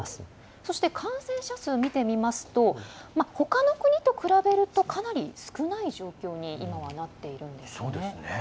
そして、感染者数を見てみますとほかの国と比べると、かなり少ない状況に今はなっています。